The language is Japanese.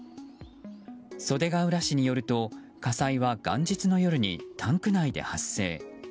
袖ケ浦市によると火災は元日の夜にタンク内で発生。